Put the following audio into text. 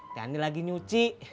teh ani lagi nyuci